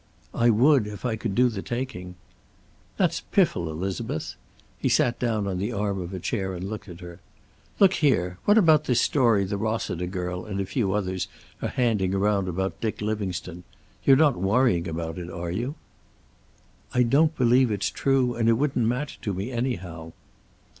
"I would, if I could do the taking." "That's piffle, Elizabeth." He sat down on the arm of a chair and looked at her. "Look here, what about this story the Rossiter girl and a few others are handing around about Dick Livingstone? You're not worrying about it, are you?" "I don't believe it's true, and it wouldn't matter to me, anyhow."